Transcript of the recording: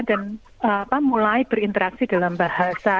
dan mulai berinteraksi dalam bahasa